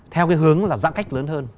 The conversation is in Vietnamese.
theo cái hướng là giãn cách lớn hơn